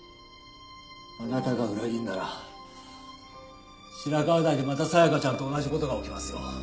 あなたが裏切るなら白河台でまた紗弥香ちゃんと同じ事が起きますよ。